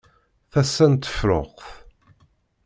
Tasa n tefruxt.